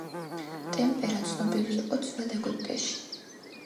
ტემპერა ცნობილი იყო ძველ ეგვიპტეში.